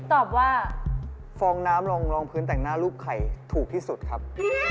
ตอบว่าฟองน้ำรองพื้นแต่งหน้ารูปไข่ถูกที่สุดครับ